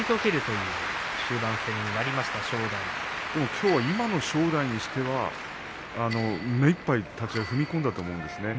きょうの正代としては目いっぱい立ち合い踏み込んだと思います。